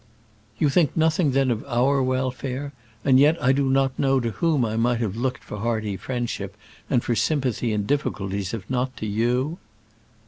"You think nothing then of our welfare, and yet I do not know to whom I might have looked for hearty friendship and for sympathy in difficulties, if not to you?"